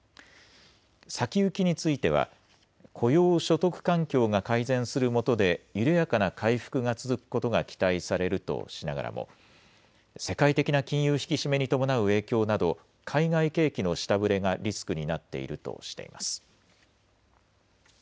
先行きについては雇用・所得環境が改善するもとで緩やかな回復が続くことが期待されるとしながらも世界的な金融引き締めに伴う影響など海外景気の下振れがリスクになっているとしています。